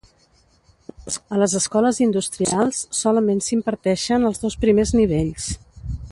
A les escoles industrials solament s'imparteixen els dos primers nivells.